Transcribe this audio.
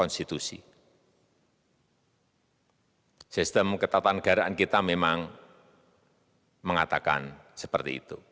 sistem ketatanegaraan kita memang mengatakan seperti itu